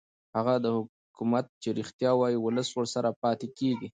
هغه حکومت چې رښتیا وايي ولس ورسره پاتې کېږي